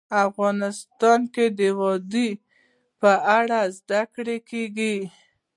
افغانستان کې د وادي په اړه زده کړه کېږي.